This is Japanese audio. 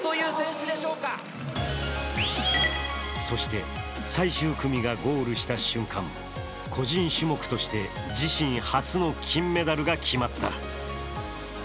そして最終組がゴールした瞬間、個人種目として自身初の金メダルが決まった。